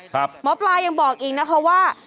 หมอปลายังบอกอีกนะคะว่า